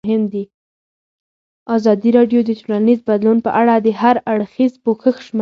ازادي راډیو د ټولنیز بدلون په اړه د هر اړخیز پوښښ ژمنه کړې.